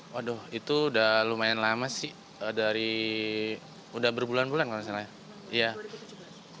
waduh itu sudah lumayan lama sih sudah berbulan bulan kalau saya salah